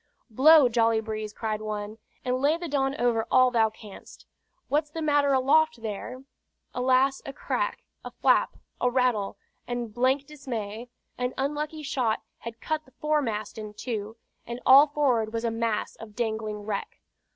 "Blow, jolly breeze," cried one, "and lay the Don over all thou canst. What's the matter aloft there?" Alas! a crack, a flap, a rattle; and blank dismay! An unlucky shot had cut the foremast in two, and all forward was a mass of dangling wreck.